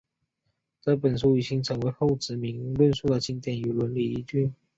这本书已经成为后殖民论述的经典与理论依据。